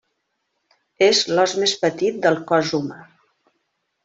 És l'os més petit del cos humà.